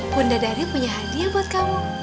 bunda dari punya hadiah buat kamu